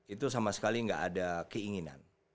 itu sama sekali nggak ada keinginan